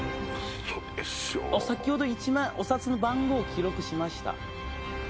先ほど１枚お札の番号記録しました。